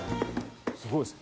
すごいですね。